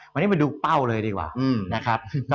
วันนี้มาดูเป้าเลยดีกว่า